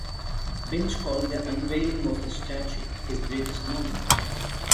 Bench called the unveiling of his statue, his greatest moment.